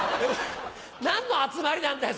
何の集まりなんだよ？